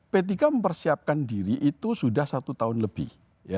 p tiga mempersiapkan diri itu sudah satu tahun lebih